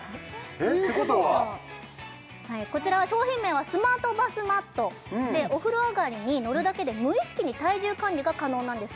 えってことはこちらは商品名はスマートバスマットお風呂上がりに乗るだけで無意識に体重管理が可能なんです